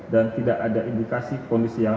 dan tidak ada indikasi kondisi yang